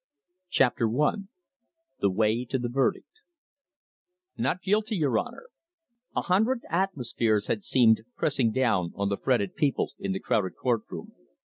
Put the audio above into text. CHAPTER I. THE WAY TO THE VERDICT "Not guilty, your Honour!" A hundred atmospheres had seemed pressing down on the fretted people in the crowded court room.